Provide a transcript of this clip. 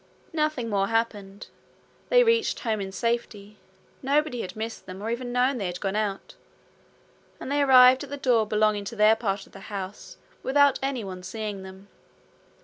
Nothing more happened. They reached home in safety. Nobody had missed them, or even known they had gone out; and they arrived at the door belonging to their part of the house without anyone seeing them.